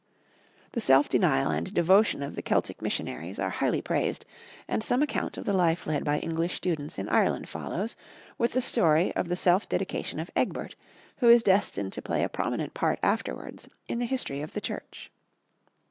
The self denial and devotion of the Celtic missionaries are highly praised, and some account of the life led by English students in Ireland follows, with the story of the self dedication of Egbert, who is destined to play a prominent part afterwards in the history of the Church.